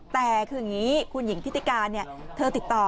แต่คืออย่างนี้คุณหญิงทิติการเธอติดต่อ